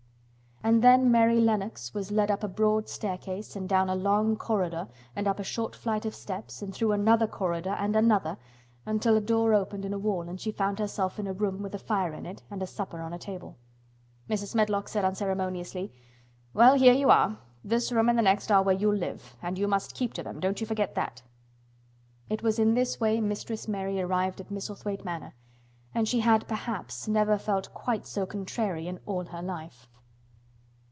And then Mary Lennox was led up a broad staircase and down a long corridor and up a short flight of steps and through another corridor and another, until a door opened in a wall and she found herself in a room with a fire in it and a supper on a table. Mrs. Medlock said unceremoniously: "Well, here you are! This room and the next are where you'll live—and you must keep to them. Don't you forget that!" It was in this way Mistress Mary arrived at Misselthwaite Manor and she had perhaps never felt quite so contrary in all her life.